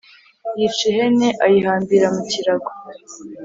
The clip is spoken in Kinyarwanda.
yica ihene, ayihambira mu kirago.